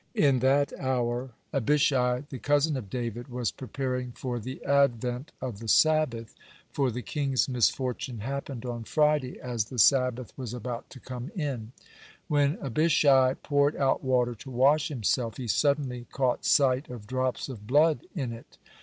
In that hour Abishai, the cousin of David, was preparing for the advent of the Sabbath, for the king's misfortune happened on Friday as the Sabbath was about to come in. When Abishai poured out water to wash himself, he suddenly caught sight of drops of blood in it.